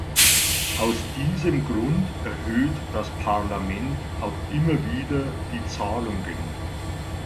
Aus diesem Grund erhöht das Parlament auch immer wieder die Zahlungen.